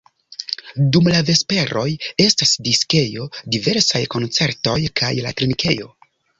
Dum la vesperoj estas diskejo, diversaj koncertoj, kaj la trinkejo.